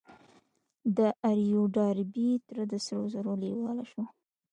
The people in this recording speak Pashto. د آر يو ډاربي تره د سرو زرو لېواله شو.